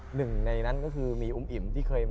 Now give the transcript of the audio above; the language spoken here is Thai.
หนึ่งในนั้นก็คือมีอุ่มอิ่มที่เคย